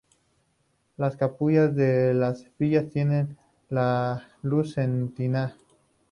Las cúpulas de las capillas tienen luz cenital.